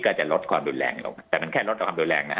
ก็จะลดความดูดแรงลงแต่มันแค่ลดความดูดแรง